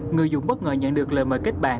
người dùng bất ngờ nhận được lời mời kết bạn